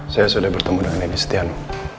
saya sudah bertemu dengan edi setiano